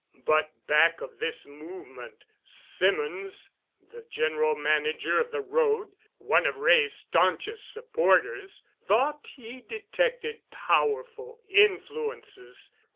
But back of this movement, Symonds, the General Manager of the road, one of Wray's staunchest supporters, thought he detected powerful influences.